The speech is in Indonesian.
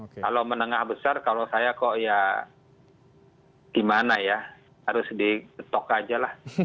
kalau menengah besar kalau saya kok ya gimana ya harus diketok aja lah